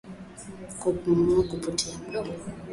Kupumua kupitia mdomo